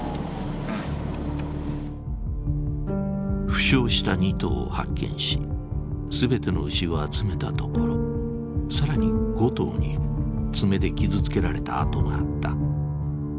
負傷した２頭を発見し全ての牛を集めたところ更に５頭に爪で傷つけられた痕があった。